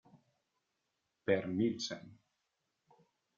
Per Nielsen